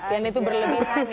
alfian itu berlebihan ya